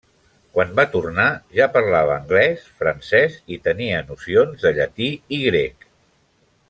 Quan va tornar ja parlava anglès, francès i tenia nocions de llatí i grec.